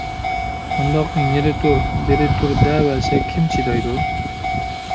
— ئۇنداق نېرى تۇر، بېرى تۇر دەۋەرسە، كىم چىدايدۇ؟